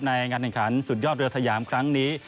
งานแข่งขันสุดยอดเรือสยามครั้งนี้